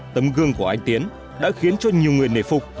tấm gương của anh tiến đã khiến cho nhiều người nể phục